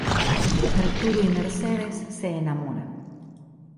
Arturo y Mercedes se enamoran.